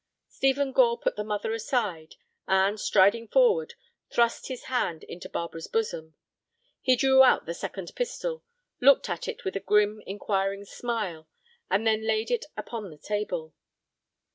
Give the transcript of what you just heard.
Stephen Gore put the mother aside, and, striding forward, thrust his hand into Barbara's bosom. He drew out the second pistol, looked at it with a grim, inquiring smile, and then laid it upon the table.